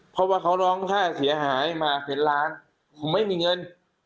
เพราะว่าเขาร้องค่าเสียหายมาเป็นล้านผมไม่มีเงิน